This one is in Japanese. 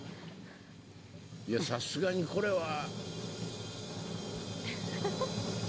いやさすがにこれは。